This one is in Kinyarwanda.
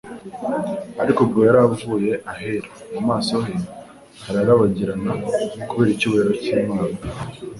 Ariko ubwo yari avuye ahera, mu maso he hararabagiranaga kubera icyubahiro cy'Imana,